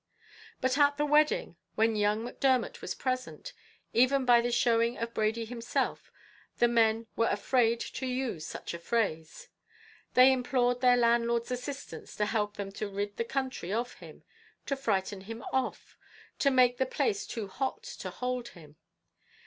"But at the wedding, when young Macdermot was present, even by the showing of Brady himself, the men were afraid to use any such phrase. They implored their landlord's assistance to help them to rid the country of him; to frighten him off; to make the place too hot to hold him.